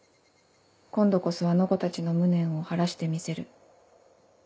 今度こそあの子たちの無念を晴らしてみせる」。